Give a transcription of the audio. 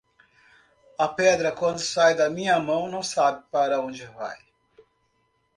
A pedra, quando sai da minha mão, não sabe para onde vai.